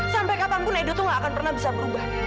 sampai kapanpun edo tuh gak akan pernah bisa berubah